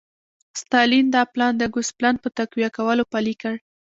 ستالین دا پلان د ګوسپلن په تقویه کولو پلی کړ